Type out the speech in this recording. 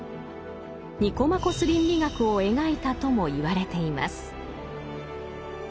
「ニコマコス倫理学」を描いたともいわれています。